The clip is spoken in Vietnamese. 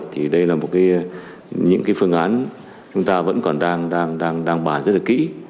thì đây là một cái những cái phương án chúng ta vẫn còn đang bàn rất là kỹ